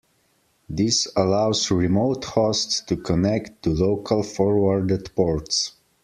This allows remote hosts to connect to local forwarded ports.